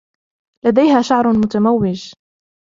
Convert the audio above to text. لديها شعر متموج.